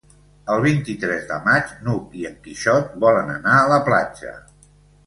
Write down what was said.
El vint-i-tres de maig n'Hug i en Quixot volen anar a la platja.